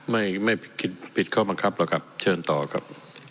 ไม่ไม่คิดผิดข้อบังคับหรอกครับเชิญต่อครับ